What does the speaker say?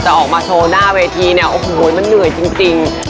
แต่ออกมาโชว์หน้าเวทีเนี่ยโอ้โหมันเหนื่อยจริง